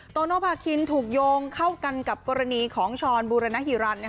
โตโนภาคินถูกโยงเข้ากันกับกรณีของช้อนบูรณฮิรัน